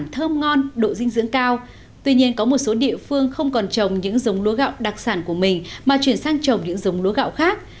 đặc sản thơm ngon độ dinh dưỡng cao tuy nhiên có một số địa phương không còn trồng những dống lúa gạo đặc sản của mình mà chuyển sang trồng những dống lúa gạo khác